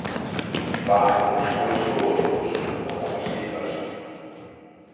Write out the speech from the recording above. Fa uns fruits globosos no comestibles.